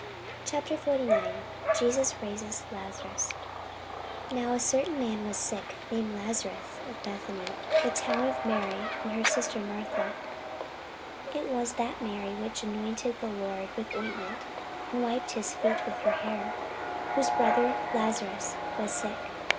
CHAPTER 49 JESUS RAISES LAZARUS [Sidenote: St. John 11] NOW a certain man was sick, named Lazarus, of Bethany, the town of Mary and her sister Martha. (It was that Mary which anointed the Lord with ointment, and wiped his feet with her hair, whose brother Lazarus was sick.)